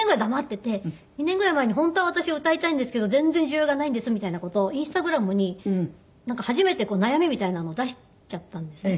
２年ぐらい前に本当は私歌いたいんですけど全然需要がないんですみたいな事をＩｎｓｔａｇｒａｍに初めて悩みみたいなのを出しちゃったんですね